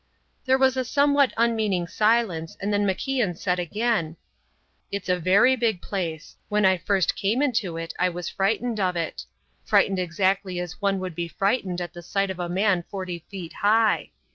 There was a somewhat unmeaning silence, and then MacIan said again: "It's a very big place. When I first came into it I was frightened of it. Frightened exactly as one would be frightened at the sight of a man forty feet high.